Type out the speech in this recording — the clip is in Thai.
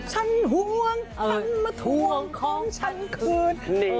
ฉันห่วงตันมะถวงของฉันคืน